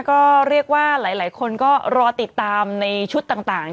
ก็เรียกว่าหลายคนก็รอติดตามในชุดต่าง